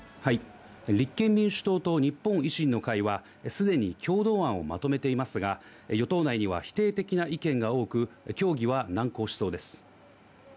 立憲民主党と日本維新の会は、すでに共同案をまとめていますが、与党内には否定的な意見が多く、協議は難航しそうです。